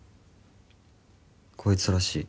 こいつらしい。